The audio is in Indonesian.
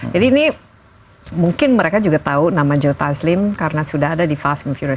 jadi ini mungkin mereka juga tahu nama joe taslim karena sudah ada di fast and furious